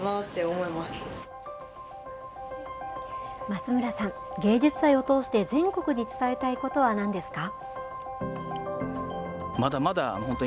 松村さん、芸術祭を通して全国に伝えたいことはなんですか。